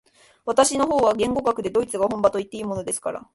私の方は言語学でドイツが本場といっていいようなものですから、